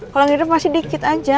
kalau ngidam pasti dikit aja